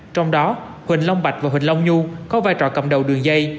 trong đó huỳnh long bạch và huỳnh long nhu có vai trò cầm đầu đường dây